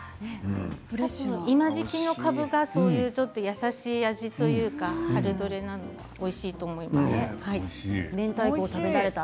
今、時期のかぶが優しい味というかおいしいと思います。